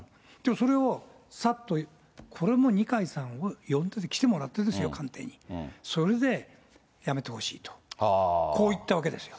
それをさっと、これも二階さんを呼んで、来てもらってですよ、官邸に、それで辞めてほしいと、こう言ったわけですよ。